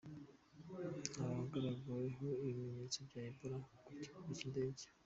Ntawagaragaweho ibimenyetso bya Ebola ku kibuga cy’indege.